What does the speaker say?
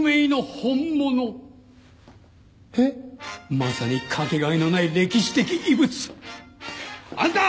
まさにかけがえのない歴史的遺物。あんた！